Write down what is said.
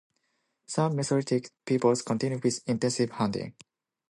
Some Mesolithic peoples continued with intensive hunting.